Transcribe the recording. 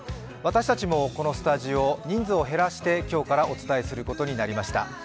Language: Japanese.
私たちもこのスタジオ人数を減らして今日からお伝えすることになりました。